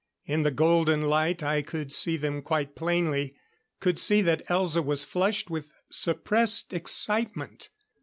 In the golden light I could see them quite plainly could see that Elza was flushed with suppressed excitement.